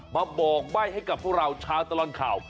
มาบอกให้กับเราชาวตลอดเค่า